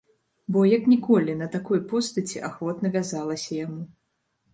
Бо, як ніколі, на такой постаці ахвотна вязалася яму.